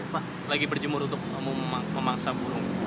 pak lagi berjemur untuk memaksa bulu